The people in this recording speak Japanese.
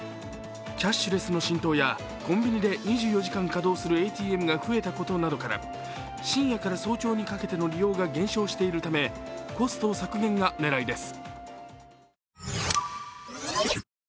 キャッシュレスの浸透やコンビニで２４時間稼働するＡＴＭが増えたことなどから、深夜から早朝にかけての利用が減少しているためコスト削減が狙いです。